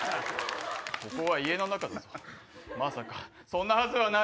ここは家の中だぞまさかそんなはずはない！